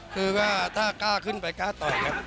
คือว่าถ้ากล้าขึ้นไปกล้าต่อยครับ